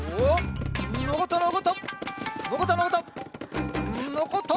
のこった！